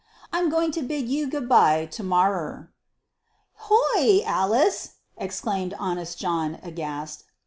I'm goin' to bid you good bye to morrer." "Whoy, Alice!" exclaimed honest John, aghast.